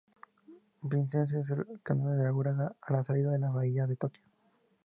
Vincennes", en el canal de Uraga a la salida de la Bahía de Tokio.